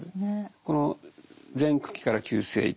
この前駆期から急性期